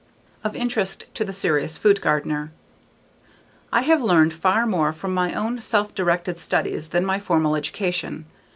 Of interest to the serious food gardener I have learned far more from my own self directed studies than my formal education.